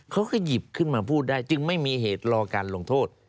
เขาก็หยิบขึ้นมาพูดได้จึงไม่มีเหตุรอการลงโทษ